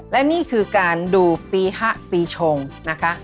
และนี่คือการดูปีหะปีชงนะคะ